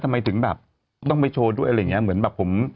กูไปนั่งถาเลาะกันใช่ไม่มั้ย